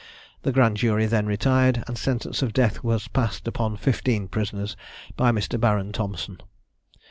The grand jury then retired, and sentence of death was passed upon fifteen prisoners by Mr. Baron Thompson.